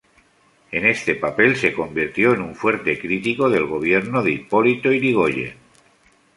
En este papel se convirtió en un fuerte crítico del gobierno de Hipólito Yrigoyen.